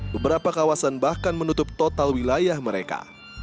beberapa kawasan bahkan menutup total wilayah mereka